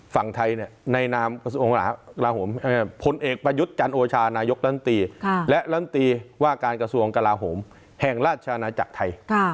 ฝั่งไทยเนี่ยในนามกระทรวงกระลาโหมผลเอกประยุทธ์จันทร์โอชานายกลันตีและลันตีว่าการกระทรวงกระลาโหมแห่งราชนาจักรไทย